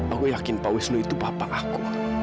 aku yakin pak wisnu itu bapak aku